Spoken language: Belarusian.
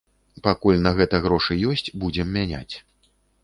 Пакуль на гэта грошы ёсць, будзем мяняць.